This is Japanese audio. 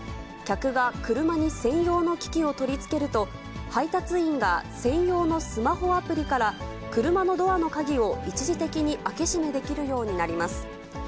客が車に専用の機器を取り付けると、配達員が専用のスマホアプリから、車のドアの鍵を一時的に開け閉めできるようになります。